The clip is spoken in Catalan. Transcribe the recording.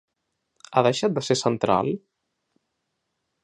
Ha deixat de ser central?